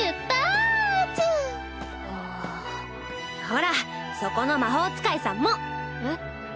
ほらそこの魔法使いさんも。えっ？